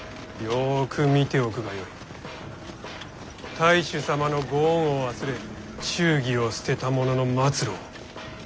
太守様のご恩を忘れ忠義を捨てた者の末路を。